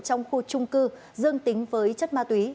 trong khu trung cư dương tính với chất ma túy